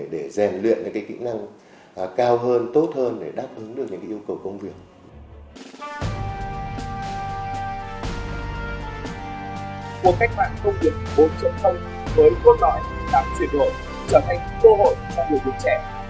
để rèn luyện cái kỹ năng cao hơn tốt hơn để đáp ứng được những yêu cầu công việc